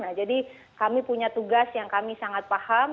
nah jadi kami punya tugas yang kami sangat paham